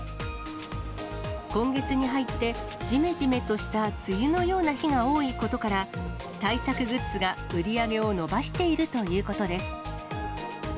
今月に入って、じめじめとした梅雨のような日が多いことから、対策グッズが売り上げを伸ばしているということです。